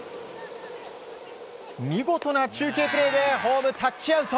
見事な中継プレーでホームタッチアウト。